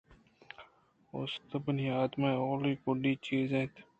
اوست بنی آدم ءِ اولی ءُ گڈی چیز اِنت